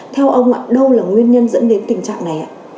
theo ông ạ đâu là nguyên nhân dẫn đến tình trạng này ạ